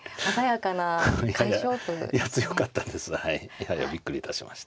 いやいやびっくりいたしました。